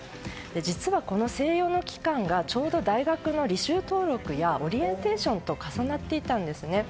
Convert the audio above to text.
実は、この静養の期間がちょうど大学の履修登録やオリエンテーションと重なっていたんですね。